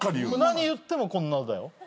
何言ってもこんなだよ。